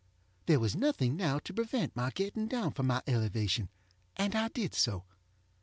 There was nothing now to prevent my getting down from my elevation, and I did so.